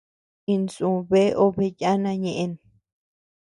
Insú bea obe yana ñeʼen.